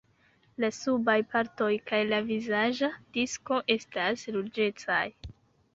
La subaj partoj kaj la vizaĝa disko estas ruĝecaj.